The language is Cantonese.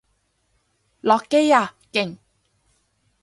落機啊！勁！